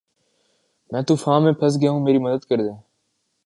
میں طوفان میں پھنس گیا ہوں میری مدد کریں